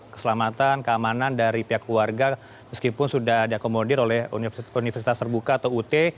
keselamatan keamanan dari pihak keluarga meskipun sudah diakomodir oleh universitas terbuka atau ut